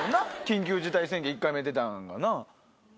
緊急事態宣言１回目出たんが。